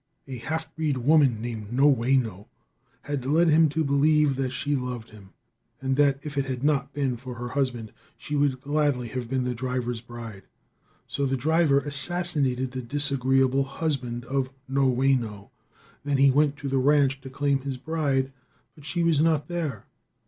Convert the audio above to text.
A half breed woman named No Wayno had led him to believe that she loved him, and that if it had not been for her husband she would gladly have been the driver's bride. So the driver assassinated the disagreeable husband of No Wayno. Then he went to the ranch to claim his bride, but she was not there.